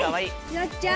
よっちゃん。